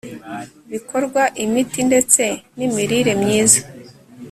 bikorwa imiti ndetse n imirire myiza